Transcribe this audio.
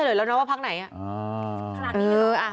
เมื่อวานเขามีปลาใส่ที่หัดใหญ่